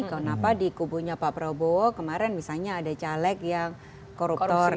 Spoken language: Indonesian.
kenapa di kubunya pak prabowo kemarin misalnya ada caleg yang koruptor